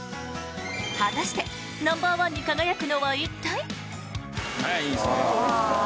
果たしてナンバーワンに輝くのは一体？